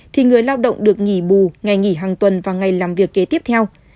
thì người lao động được nghỉ bù ngày nghỉ hàng tuần và ngày làm việc kế tiếp theo